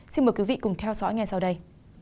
xin mời quý vị cùng theo dõi ngay sau đây